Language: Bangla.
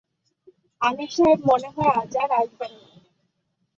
আনিস সাহেব মনে হয় আজ আর আসবেন না।